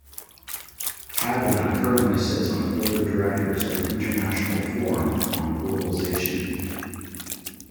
Cavanagh currently sits on the board of directors of the International Forum on Globalization.